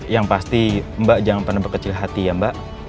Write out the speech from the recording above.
yang pasti mbak jangan pernah berkecil hati ya mbak